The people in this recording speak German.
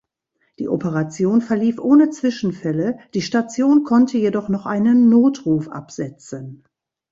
Die Operation verlief ohne Zwischenfälle, die Station konnte jedoch noch einen Notruf absetzen.